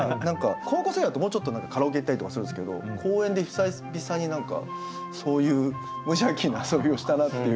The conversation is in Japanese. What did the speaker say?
高校生だともうちょっとカラオケ行ったりとかするんですけど公園で久々に何かそういう無邪気な遊びをしたなっていう。